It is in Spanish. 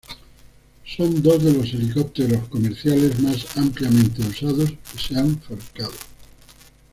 Son dos de los helicópteros comerciales más ampliamente usados que se han fabricado.